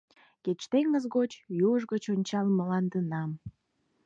Кеч теҥыз гыч, юж гыч ончал мландынам —